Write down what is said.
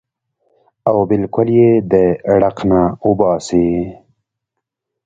او بالکل ئې د ړق نه اوباسي -